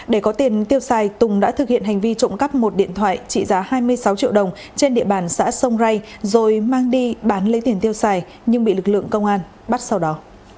để có tiền tiêu xài tùng đã thực hiện hành vi trộm cắp một điện thoại trị giá hai mươi sáu triệu đồng trên địa bàn xã sông rai rồi mang đi bán lấy tiền tiêu xài nhưng bị lực lượng công an bắt sau đó